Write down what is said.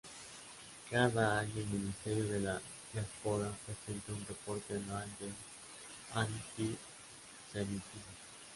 Cada año el Ministerio de la Diáspora presenta un reporte anual de antisemitismo.